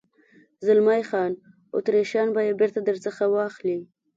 زلمی خان: اتریشیان به یې بېرته در څخه واخلي.